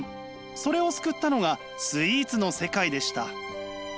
それを救ったのがスイーツの世界でした。